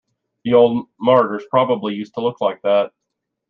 The old martyrs probably used to look like that.